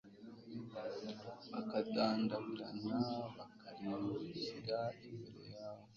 bakadandabirana, bakarimbukira imbere yawe